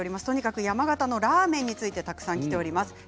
とにかく山形のラーメンについてたくさんきています。